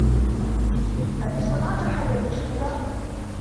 هل استطعت حل المشكلة ؟